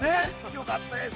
よかったです。